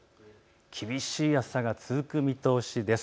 厳しい暑さが続く見通しです。